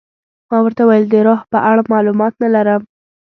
ما ورته وویل د روح په اړه معلومات نه لرم.